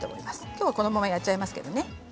きょうは、このままやっちゃいますけれどもね。